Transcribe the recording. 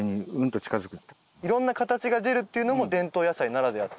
いろんな形が出るっていうのも伝統野菜ならではと。